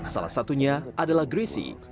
salah satunya adalah greasy